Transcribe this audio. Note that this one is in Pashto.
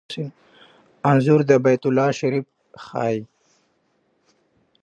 انځور د بیت الله شریف ښيي.